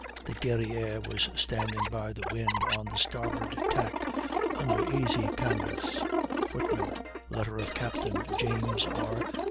The Guerrière was standing by the wind on the starboard tack, under easy canvas; [Footnote: Letter of Capt. James R.